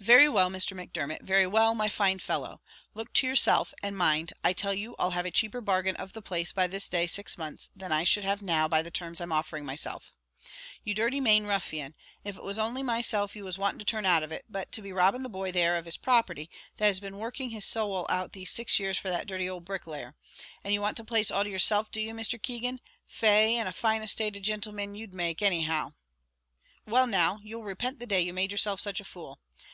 "Very well, Mr. Macdermot; very well, my fine fellow; look to yourself, and mind, I tell you I'll have a cheaper bargain of the place by this day six months, than I should have now by the terms I'm offering myself." "You dirthy mane ruffian if it was only myself you was wanting to turn out of it but to be robbing the boy there of his property, that has been working his sowl out these six years for that dirthy owld bricklayer! And you want the place all to yourself, do you, Mr. Keegan? Faix, and a fine estated gintleman you'd make, any how!" "Well now; you'll repent the day you made yourself such a fool.